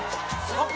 あっ！